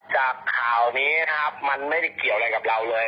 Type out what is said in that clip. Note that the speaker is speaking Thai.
จากข่าวนี้นะครับมันไม่ได้เกี่ยวอะไรกับเราเลย